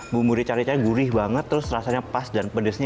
bu murica gurih banget terus rasanya pas dan pedasnya